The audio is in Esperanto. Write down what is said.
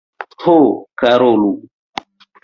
Ho, karulo!